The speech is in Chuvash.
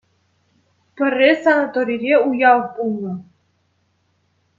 Пӗрре санаторире уяв пулнӑ.